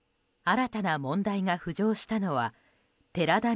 新たな問題が浮上したのは寺田稔